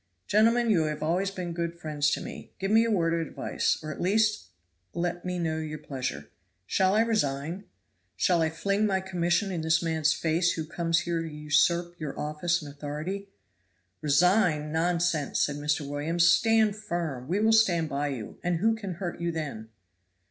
"Gentlemen, you have always been good friends to me give me a word of advice, or at least let me know your pleasure. Shall I resign shall I fling my commission in this man's face who comes here to usurp your office and authority?" "Resign! Nonsense!" said Mr. Williams. "Stand firm. We will stand by you, and who can hurt you then?"